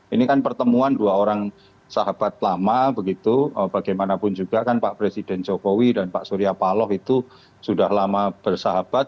ini kan pertemuan dua orang sahabat lama begitu bagaimanapun juga kan pak presiden jokowi dan pak surya paloh itu sudah lama bersahabat